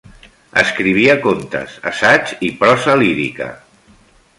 Escrivia contes, assaig i prosa lírica.